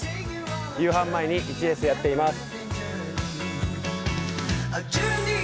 夕飯前に１レースやっています。